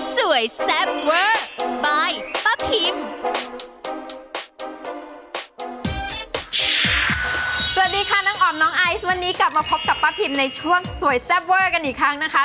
สวัสดีค่ะน้องอ๋อมน้องไอซ์วันนี้กลับมาพบกับป้าพิมในช่วงสวยแซ่บเวอร์กันอีกครั้งนะคะ